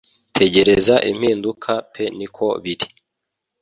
Tegereza impinduka pe niko biri.